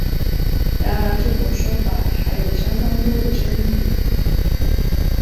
然而这种说法还有相当多的争议。